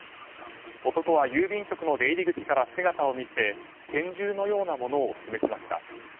男は郵便局の出入り口から姿を見せ拳銃のようなものを示しました。